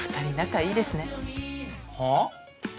はあ？